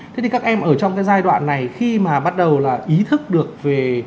thế thì các em ở trong cái giai đoạn này khi mà bắt đầu là ý thức được về